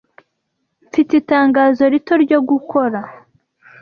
Mfite itangazo rito ryo gukora.